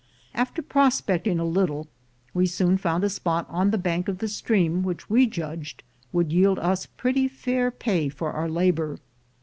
After prospecting a little, we soon found a spot on the bank of the stream which we judged would yield us prett)' fair pay for our labor.